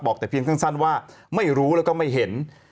แต่เพียงสั้นว่าไม่รู้แล้วก็ไม่เห็น